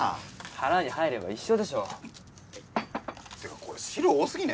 腹に入れば一緒でしょてかこれ汁多すぎね？